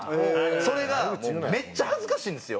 それがもうめっちゃ恥ずかしいんですよ。